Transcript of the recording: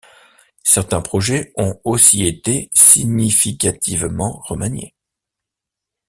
Certains projets ont aussi été significativement remaniés.